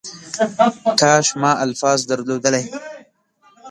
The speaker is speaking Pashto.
کاش ما الفاظ درلودلی .